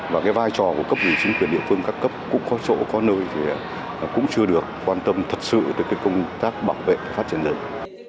và cái vai trò của cấp ủy chính quyền địa phương các cấp cũng có chỗ có nơi thì cũng chưa được quan tâm thật sự tới công tác bảo vệ và phát triển rừng